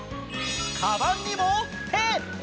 かばんにも「て」。